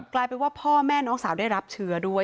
กลายเป็นว่าพ่อแม่น้องสาวได้รับเชื้อด้วย